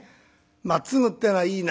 まっつぐっていうのはいいな。